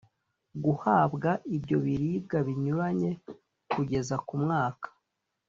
guhabwa ibyo biribwa binyuranye kugeza ku mwaka